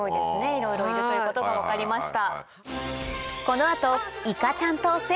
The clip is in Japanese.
いろいろいるということが分かりました。